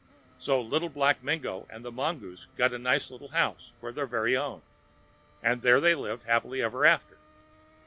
So Little Black Mingo and the mongoose got the nice little house for their very own, and there they lived happy ever after.